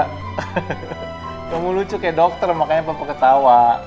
hahaha kamu lucu kayak dokter makanya papa ketawa